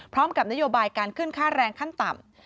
พร้อมกับนโยบายการขึ้นค่าแรงขั้นต่ำ